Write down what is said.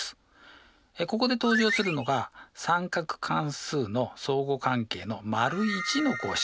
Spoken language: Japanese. ここで登場するのが三角関数の相互関係の①の公式。